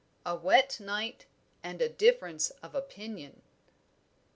A WET NIGHT, AND A DIFFERENCE OF OPINION.